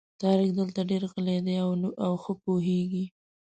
طارق دلته ډېر راغلی دی او ښه پوهېږي.